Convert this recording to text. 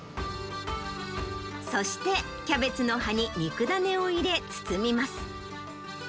そして、キャベツの葉に肉種を入れ包みます。